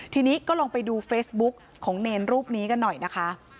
ทีนี้ก็ลองไปดูเฟซบุ๊กของเนรรูปนี้กันหน่อยนะคะ